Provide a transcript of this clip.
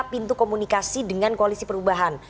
pintu komunikasi dengan koalisi perubahan